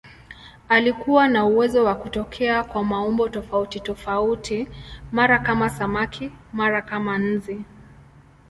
Alikuwa na uwezo wa kutokea kwa maumbo tofautitofauti, mara kama samaki, mara kama nzi.